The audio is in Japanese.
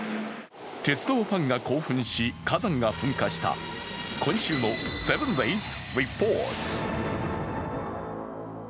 鉄道ファンか興奮し、火山が噴火した今週の「７ｄａｙｓリポート」。